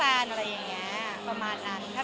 แล้วคงอยากรู้เหมือนกัน